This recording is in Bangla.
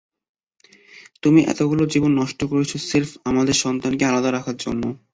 তুমি এতগুলো জীবন নষ্ট করেছো স্রেফ আমার সন্তানকে আলাদা রাখার জন্য।